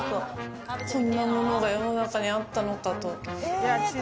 こんなものが世の中にあったのかと。